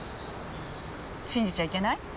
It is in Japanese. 信じちゃいけない？